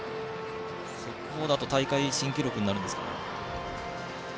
速報だと大会新記録になるんですかね。